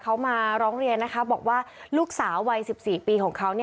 เขามาร้องเรียนบอกว่าลูกสาววัยสิบสี่ปีของเขา